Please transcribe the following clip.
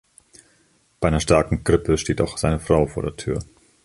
Bei einer starken Grippe steht auch seine Frau vor der Tür.